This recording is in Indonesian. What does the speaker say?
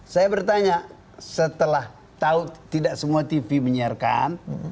saya bertanya setelah tahu tidak semua tv menyiarkan